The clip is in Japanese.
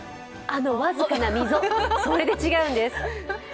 あの僅かな溝、それで違うんです。